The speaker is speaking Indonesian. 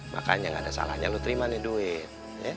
makanya gak ada salahnya lu terima nih duit